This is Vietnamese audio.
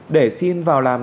để xin vào làm